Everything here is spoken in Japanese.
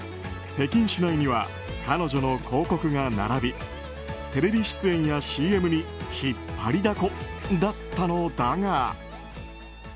北京市内には彼女の広告が並びテレビ出演やＣＭに引っ張りだこだったのだが。